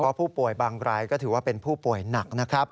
เพราะผู้ป่วยบางรายก็ถือว่าเป็นผู้ป่วยหนักนะครับ